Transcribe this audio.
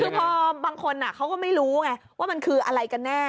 คือพอบางคนเขาก็ไม่รู้ไงว่ามันคืออะไรกันแน่